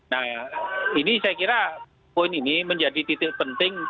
nah ini saya kira poin ini menjadi titik penting